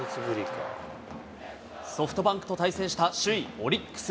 ソフトバンクと対戦した首位オリックス。